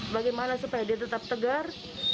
bagaimana supaya dia tetap tegar